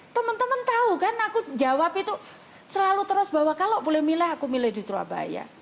teman teman tahu kan aku jawab itu selalu terus bahwa kalau boleh milih aku milih di surabaya